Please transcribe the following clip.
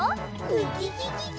ウキキキ！